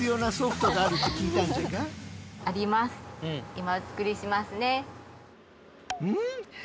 今お作りしますね。